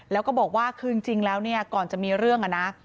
แล้วก็บอกว่าคือจริงแล้วเนี่ยก่อนจะมีเรื่องอะนะ